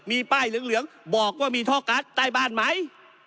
มีป้ายเหลืองบอกว่ามีท่อการ์ดใต้บ้านไหม